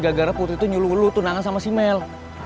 gara gara putri tuh nyuruh lu tunangan sama si mel